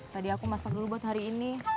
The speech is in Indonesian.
tadi aku masak dulu buat hari ini